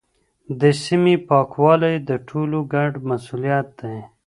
د سیمې پاکوالی د ټولو ګډ مسوولیت دی.